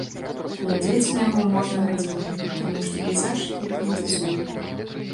Глядзець на яго можна гадзінамі, таму што пейзаж гіпнатызуе.